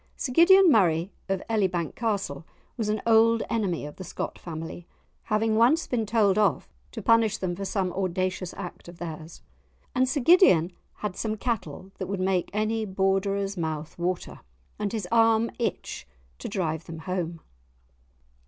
Sir Gideon Murray, of Elibank Castle, was an old enemy of the Scott family, having once been told off to punish them for some audacious act of theirs. And Sir Gideon had some cattle that would make any Borderer's mouth water and his arm itch to drive them home.